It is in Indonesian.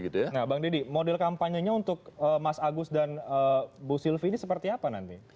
nah bang deddy model kampanyenya untuk mas agus dan bu sylvi ini seperti apa nanti